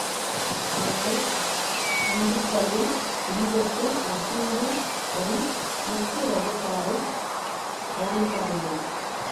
ஆனால் இந்துக்களுள் இடிபட்டு நசிந்து வரும் முக்கிய வகுப்பாரைக் கவனிப்பாரில்லை.